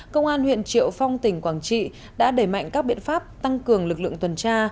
công an huyện triệu phong tỉnh quảng trị đã đẩy mạnh các biện pháp tăng cường lực lượng tuần tra